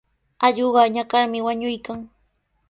Allquqa ñakarmi wañuykan.